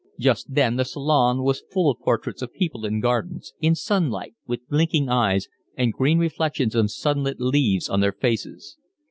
Just then the Salon was full of portraits of people in gardens, in sunlight, with blinking eyes and green reflections of sunlit leaves on their faces.